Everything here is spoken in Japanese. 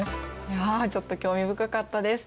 いやちょっと興味深かったです。